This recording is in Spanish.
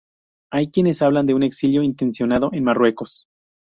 Hay quienes hablan de un exilio intencionado en Marruecos.